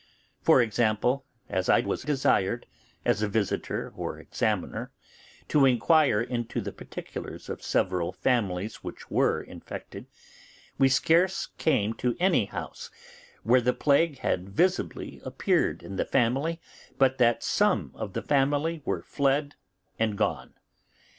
For example, as I was desired, as a visitor or examiner, to inquire into the particulars of several families which were infected, we scarce came to any house where the plague had visibly appeared in the family but that some of the family were fled and gone.